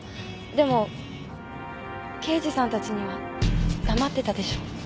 でも刑事さんたちには黙ってたでしょ。